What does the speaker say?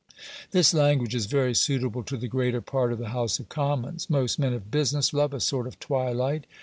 This language is very suitable to the greater part of the House of Commons. Most men of business love a sort of twilight.